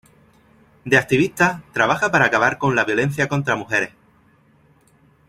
De activista, trabaja para acabar con la violencia contra mujeres.